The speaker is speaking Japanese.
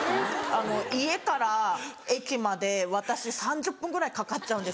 家から駅まで私３０分ぐらいかかっちゃうんです。